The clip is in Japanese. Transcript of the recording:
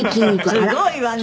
すごいわね！